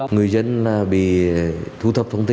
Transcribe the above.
người dân bị thu thập thông tin